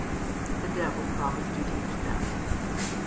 The Devil promised to teach them.